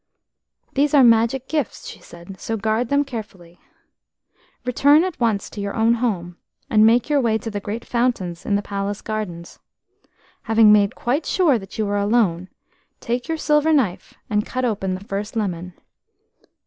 "These are magic gifts," she said, "so guard them carefully. Return at once to your own home, and make your way to the great fountains in the palace gardens. Having made quite sure that you are alone, take your silver knife and cut open the first lemon.